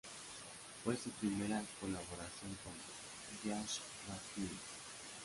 Fue su primera colaboración con Yash Raj Films.